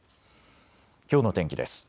きょうの天気です。